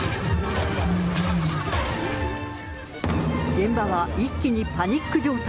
現場は一気にパニック状態。